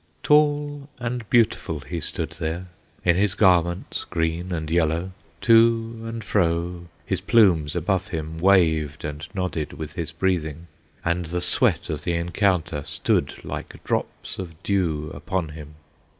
Tall and beautiful he stood there, In his garments green and yellow; To and fro his plumes above him, Waved and nodded with his breathing, And the sweat of the encounter Stood like drops of dew upon him.